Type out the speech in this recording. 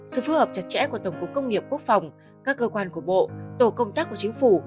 sự phù hợp chặt chẽ của tổng cục công nghiệp quốc phòng các cơ quan của bộ tổ công tác của chính phủ